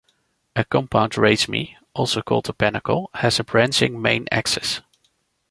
A compound raceme, also called a panicle, has a branching main axis.